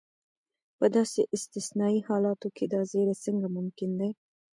په داسې استثنایي حالتو کې دا زیری څنګه ممکن دی.